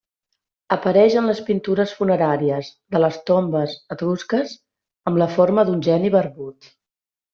Apareix en les pintures funeràries de les tombes etrusques amb la forma d'un geni barbut.